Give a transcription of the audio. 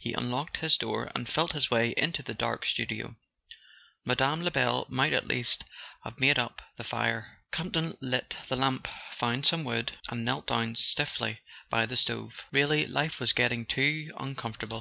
He unlocked his door and felt his way into the dark studio. Mme. Lebel might at least have made up the fire! Campton lit the lamp, found some wood, and [ 124 ] A SON AT THE FRONT knelt down stiffly by the stove. Really, life was getting too uncomfortable.